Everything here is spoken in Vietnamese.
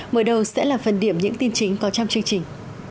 mở đầu sẽ là phần điểm những tin chính có trong chương trình